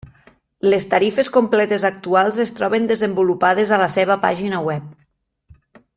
Les tarifes completes actuals es troben desenvolupades a la seva pàgina web.